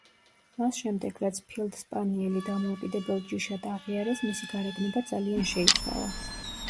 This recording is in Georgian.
მას შემდეგ რაც ფილდ-სპანიელი დამოუკიდებელ ჯიშად აღიარეს, მისი გარეგნობა ძალიან შეიცვალა.